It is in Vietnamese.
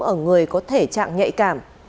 ở người có thể trạng nhạy cảm